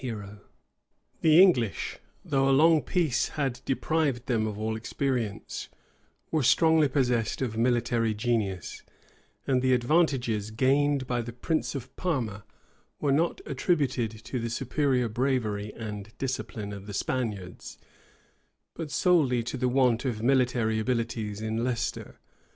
[Illustration: 1 553 sidney.jpg SIR PHILIP SIDNEY] The English, though a long peace had deprived them of all experience, were strongly possessed of military genius; and the advantages gained by the prince of Parma were not attributed to the superior bravery and discipline of the Spaniards, but solely to the want of military abilities in Leicester.